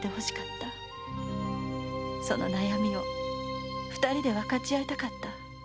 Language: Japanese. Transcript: その悩みを二人で分かち合いたかった。